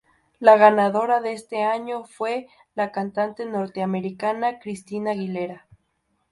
La ganadora de ese año fue la cantante norteamericana Christina Aguilera.